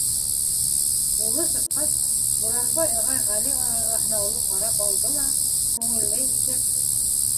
Улы сыҡҡас, Буранбай ағай Ғәли ағайға һынаулы ҡарап алды ла, күңелле итеп: